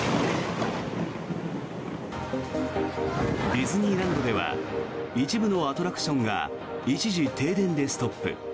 ディズニーランドでは一部のアトラクションが一時停電でストップ。